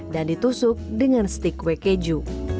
ditusuk dengan stik kue keju